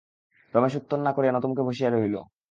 রমেশ উত্তর না করিয়া নতমুখে বসিয়া রহিল।